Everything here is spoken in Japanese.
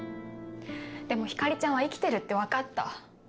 でも光莉ちゃんは生きてるって分かった。